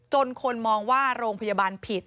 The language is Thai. คนมองว่าโรงพยาบาลผิด